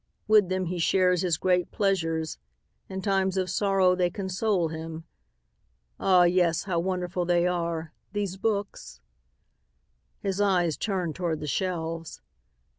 With them he shares his great pleasures. In times of sorrow they console him. Ah, yes, how wonderful they are, these books?" His eyes turned toward the shelves.